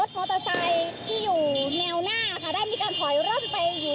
ถอยดึงตรงแบบไหวของสะวัดที่ทางกต่างโดด